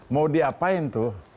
mau diapain tuh